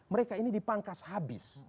mereka ini dipangkas habis